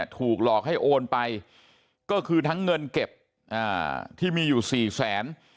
ถูกหลอกให้โอนไปก็คือทั้งเงินเก็บที่มีอยู่สี่แสน